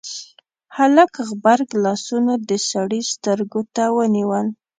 هلک غبرګ لاسونه د سړي سترګو ته ونيول: